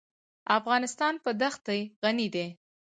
افغانستان په دښتې غني دی.